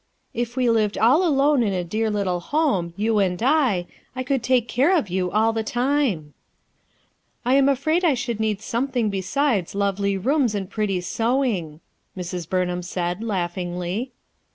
If we lived all alone in a dear little home, you and I f I could take care of you all the time." "I am afraid I should need something besides lovely rooms and pretty sewing/ 1 Mrs, Bumham said laughingly.